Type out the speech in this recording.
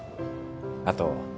あと